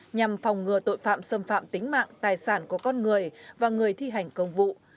nhằm phòng ngừa tội phạm xâm phạm tính mạng tài sản của con người và người thi hành công vụ